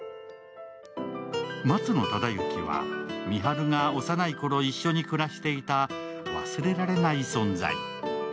松野忠之は、深春が幼いころ一緒に暮らしていた忘れられない存在。